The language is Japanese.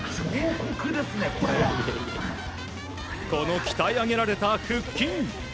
この鍛え上げられた腹筋。